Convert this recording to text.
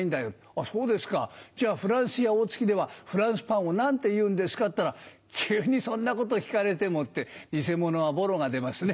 「あそうですかじゃあフランスや大月ではフランスパンを何て言うんですか？」って言ったら「急にそんなこと聞かれても」って偽者はボロが出ますね。